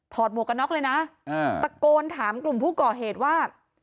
หมวกกันน็อกเลยนะตะโกนถามกลุ่มผู้ก่อเหตุว่า